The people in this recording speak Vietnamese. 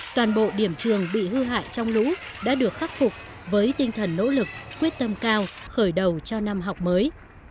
toàn bộ điểm trường bị hư hại trong lũ đã được khắc phục với tinh thần nỗ lực quyết tâm cao khởi đầu cho năm học mới